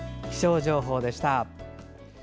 気象情報でした。